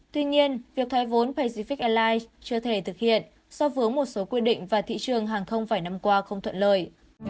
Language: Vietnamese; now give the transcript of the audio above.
tuy nhiên việc thay vốn pacific airlines chưa thể thực hiện so với một số quy định và thị trường hàng không phải năm qua không thuận lợi